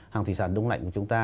hàng thị sản đông lạnh của chúng ta